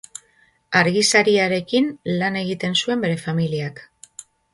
Argizariarekin lan egiten zuen bere familiak.